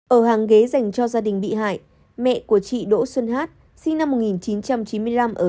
ở hàng ghế dành cho gia đình bị hại mẹ của chị đỗ xuân hát sinh năm một nghìn chín trăm chín mươi năm ở thanh trì hà nội